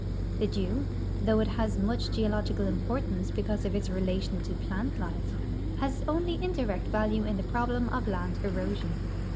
The dew, though it has much geological im])ortance because of its relation to plant life, has only indirect value in the problem of land erosion.